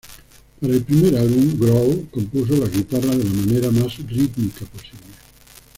Para el primer álbum, Grohl compuso las guitarras de la manera más rítmica posible.